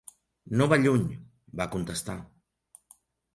"No va lluny", va contestar.